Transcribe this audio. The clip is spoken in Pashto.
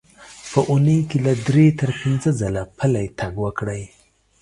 په اوونۍ کې له درې تر پنځه ځله پلی تګ وکړئ.